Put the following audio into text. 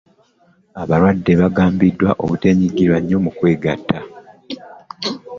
abalwadde bagambibwa obuteenyigira nnyo mu kwegatta.